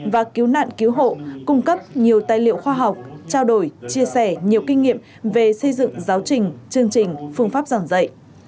và cứu nạn cứu hộ cung cấp nhiều tài liệu khoa học trao đổi chia sẻ nhiều kinh nghiệm về xây dựng giáo trình chương trình phương pháp giảng dạy